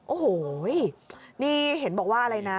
โอ้โหนี่เห็นบอกว่าอะไรนะ